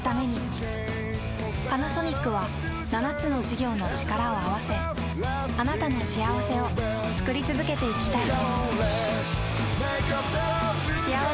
パナソニックは７つの事業のチカラを合わせあなたの幸せを作り続けていきたい。